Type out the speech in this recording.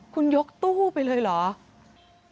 คุณยกตู้ไปเลยเหรอ